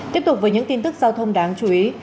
tiếp tục với những tin tức giao thông đáng chú ý